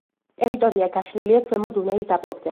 ტერიტორია გაშლილია ქვემო დუნაის დაბლობზე.